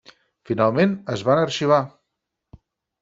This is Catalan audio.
Finalment es van arxivar.